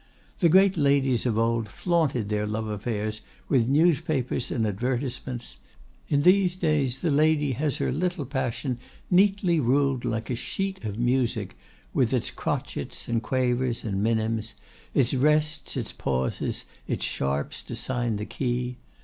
The great ladies of old flaunted their love affairs, with newspapers and advertisements; in these days the lady has her little passion neatly ruled like a sheet of music with its crotchets and quavers and minims, its rests, its pauses, its sharps to sign the key.